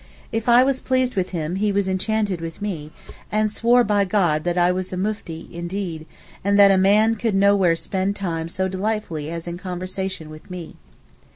If I was pleased with him, he was enchanted with me, and swore by God that I was a Mufti indeed, and that a man could nowhere spend time so delightfully as in conversation with me.